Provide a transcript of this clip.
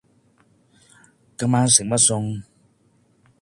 今晚食乜餸